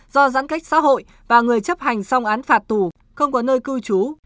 do giãn cách xã hội và người chấp hành xong án phạt tù không có nơi cư trú